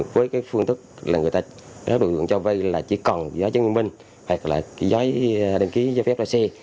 với phương tức đối tượng cho vây chỉ cần giấy chứng minh giấy đăng ký cho phép loại xe